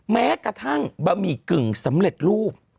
แม้กระทั่งบะหมี่กึ่งสำเร็จรูป